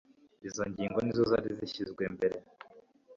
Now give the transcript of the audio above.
izo ngingo nizo zari zishyizwe imbere.